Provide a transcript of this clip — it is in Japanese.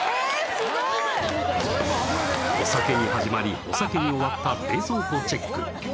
すごいお酒に始まりお酒に終わった冷蔵庫チェック